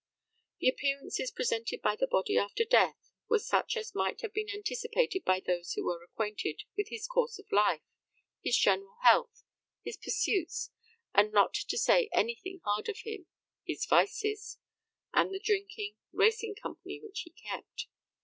The appearances presented by the body after death were such as might have been anticipated by those who were acquainted with his course of life, his general health, his pursuits, and, not to say anything hard of him, his vices, and the drinking, racing company which he kept.